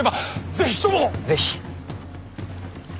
是非。